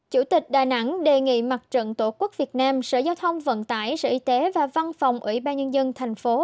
chủ tịch đà nẵng đề nghị mặt trận tổ quốc việt nam sở giao thông vận tải sở y tế và văn phòng ủy ban nhân dân thành phố